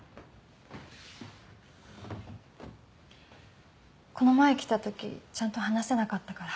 この前来たときちゃんと話せなかったから。